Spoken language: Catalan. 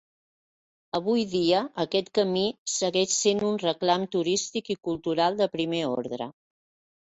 Avui dia aquest Camí segueix sent un reclam turístic i cultural de primer ordre.